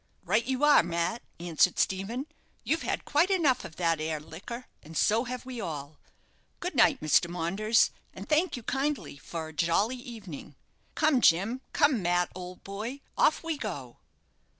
"Right you are, Mat," answered Stephen. "You've had quite enough of that 'ere liquor, and so have we all. Good night, Mr. Maunders, and thank you kindly for a jolly evening. Come, Jim. Come, Mat, old boy off we go!"